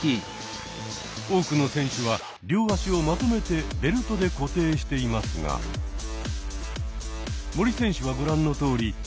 多くの選手は両足をまとめてベルトで固定していますが森選手はご覧のとおり。